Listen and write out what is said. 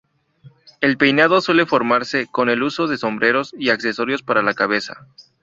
El peinado suele formarse con el uso de sombreros y accesorios para la cabeza.